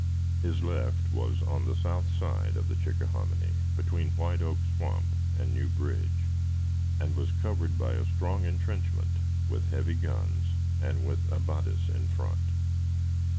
His left was on the south side of the Chickahominy, between White Oak Swamp and New Bridge, and was covered by a strong intrenchment, with heavy guns, and with abatis in front.